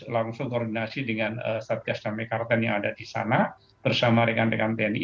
langsung koordinasi dengan satgas damai karten yang ada di sana bersama rekan rekan tni